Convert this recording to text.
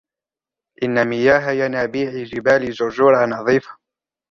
إن مياه ينابيع جبال جرجرة نظيفة.